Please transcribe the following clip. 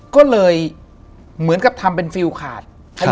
ก็เลยเหมือนกับทำเป็นฟิลขาด